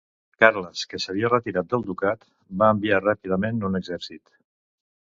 Carles, que s'havia retirat del ducat, va enviar ràpidament un exèrcit.